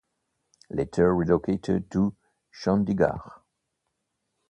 Later relocated to Chandigarh.